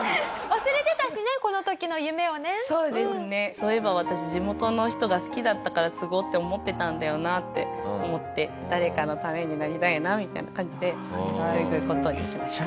そういえば私地元の人が好きだったから継ごうって思ってたんだよなって思って誰かのためになりたいなみたいな感じで継ぐ事にしました。